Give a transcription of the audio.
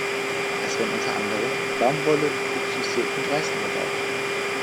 Es werden unter anderem Baumwolle, Kokosnüsse und Reis angebaut.